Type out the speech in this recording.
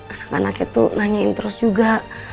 anak anaknya tuh nanyain terus juga